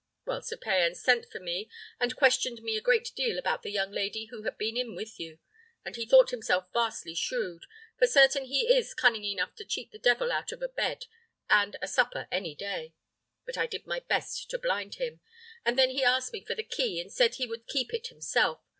Well, Sir Payan sent for me, and questioned me a great deal about the young lady who had been in with you; and he thought himself vastly shrewd; for certain he is cunning enough to cheat the devil out of a bed and a supper any day; but I did my best to blind him, and then he asked me for the key, and said he would keep it himself.